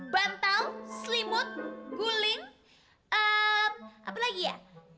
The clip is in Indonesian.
bantal selimut guling eeem apa lagi ya